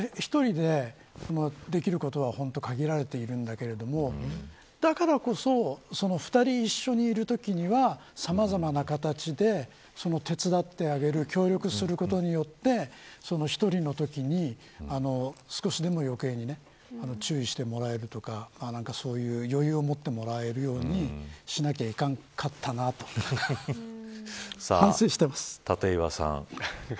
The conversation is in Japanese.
そうすると、１人でできることは本当に限られているんだけれどもだからこそ２人一緒にいるときにはさまざまな形で手伝ってあげる協力することによって１人のときに、少しでも余計に注意してもらえるとかそういう余裕を持ってもらえるようにしなきゃいかんかったなとさあ、立岩さん。